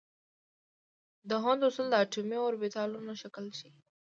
د هوند اصول د اټومي اوربیتالونو شکل ښيي.